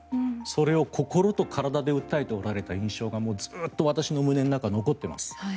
それを心と体で訴えておられた印象が、ずっと私の胸の中に残っています。